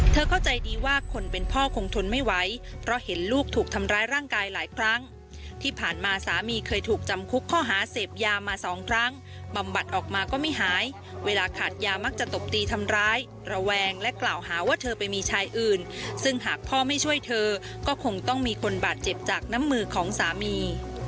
เข้าใจดีว่าคนเป็นพ่อคงทนไม่ไหวเพราะเห็นลูกถูกทำร้ายร่างกายหลายครั้งที่ผ่านมาสามีเคยถูกจำคุกข้อหาเสพยามาสองครั้งบำบัดออกมาก็ไม่หายเวลาขาดยามักจะตบตีทำร้ายระแวงและกล่าวหาว่าเธอไปมีชายอื่นซึ่งหากพ่อไม่ช่วยเธอก็คงต้องมีคนบาดเจ็บจากน้ำมือของสามี